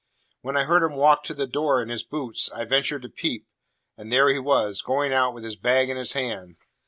When I heard him walk to the door in his boots, I ventured to peep; and there he was, going out with his bag in his hand.